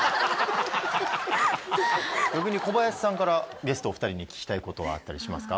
逆に小林さんからゲストお２人に聞きたいことはあったりしますか？